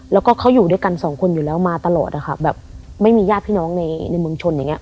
แล้วก็เขาอยู่ด้วยกันสองคนอยู่แล้วมาตลอดอะค่ะแบบไม่มีญาติพี่น้องในในเมืองชนอย่างเงี